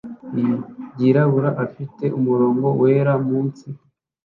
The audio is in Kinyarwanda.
i ryirabura afite umurongo wera munsi